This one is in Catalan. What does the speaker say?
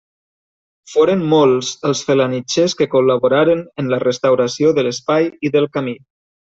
Foren molts els felanitxers que col·laboraren en la restauració de l'espai i del camí.